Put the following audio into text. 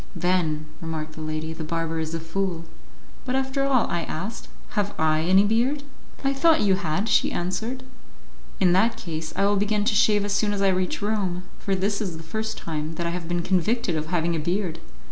"Then," remarked the lady, "the barber is a fool." "But after all," I asked, "have I any beard?" "I thought you had," she answered. "In that case, I will begin to shave as soon as I reach Rome, for this is the first time that I have been convicted of having a beard."